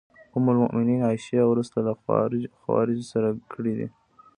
ام المومنین عایشې او وروسته له خوارجو سره کړي دي.